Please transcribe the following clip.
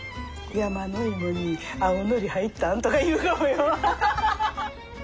山の芋に青のり入ったん？とか言うかもよ。